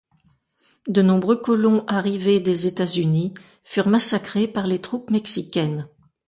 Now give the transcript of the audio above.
De nombreux colons arrivés des États-Unis furent massacrés par les troupes mexicaines.